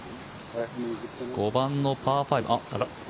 ５番のパー５。